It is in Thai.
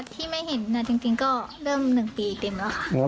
ที่ไม่เห็นจริงก็เริ่ม๑ปีเต็มแล้วค่ะ